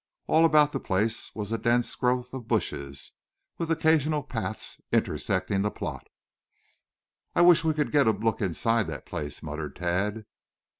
All about the place was a dense growth of bushes, with occasional paths intersecting the plot. "I wish we could get a look inside that place," muttered Tad.